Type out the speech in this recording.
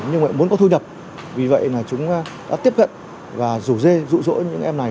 nhưng mà cũng muốn có thu nhập vì vậy là chúng đã tiếp cận và rủ dê rũ rỗ những em này